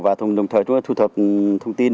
và đồng thời chúng ta thu thập thông tin